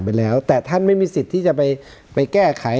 ไปแล้วแต่ท่านไม่มีสิทธิ์ที่จะไปแก้ไข